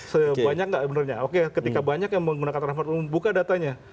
sebanyak nggak benarnya oke ketika banyak yang menggunakan transportasi umum buka datanya